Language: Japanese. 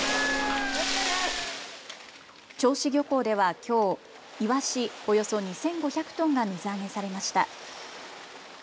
銚子漁港ではきょう、イワシおよそ２５００トンが水揚げされました。